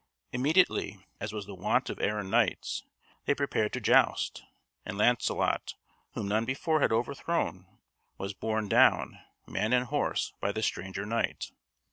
Immediately, as was the wont of errant knights, they prepared to joust, and Launcelot, whom none before had overthrown, was borne down, man and horse, by the stranger knight.